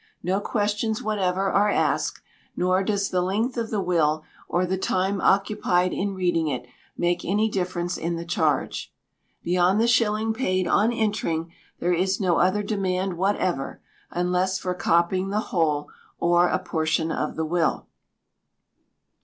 No questions whatever are asked nor does the length of the will, or the time occupied in reading it, make any difference in the charge. Beyond the shilling paid on entering, there is no other demand whatever, unless for copying the whole or a portion of the will.